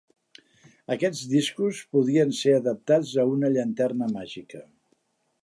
Aquests discos podien ser adaptats a una llanterna màgica.